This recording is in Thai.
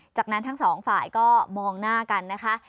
จากนั้นทั้งสองฝ่ายก็มองหน้ากันนะคะ